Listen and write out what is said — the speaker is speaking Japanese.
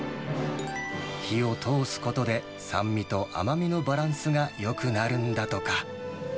火を通すことで、酸味と甘みのバランスがよくなるんだとか。